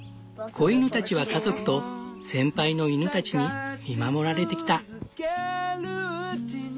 子犬たちは家族と先輩の犬たちに見守られてきた。